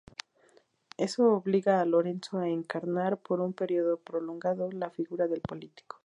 Eso obliga a Lorenzo a encarnar por un periodo prolongado la figura del político.